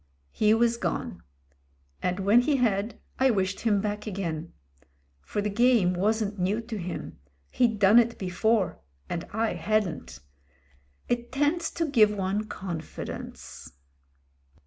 He was gone ; and when he had, I wished him back again. For the game wasn't new to him — he'd done it before; and I hadn't. It tends to give one confi dence.